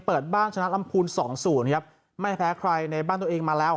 เปิดบ้านชนะลำพูนสองศูนย์ครับไม่แพ้ใครในบ้านตัวเองมาแล้ว